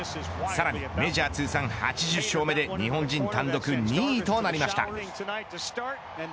さらにメジャー通算８０勝目で日本人単独２位となりました。